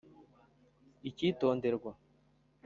“Icyitonderwa